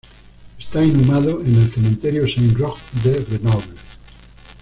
Está inhumado en el cementerio Saint-Roch de Grenoble.